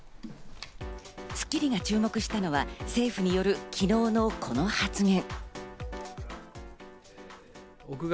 『スッキリ』が注目したのは政府による昨日のこの発言。